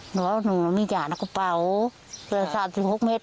หนูว่าหนูมีจานกระเป๋า๓๖เมตร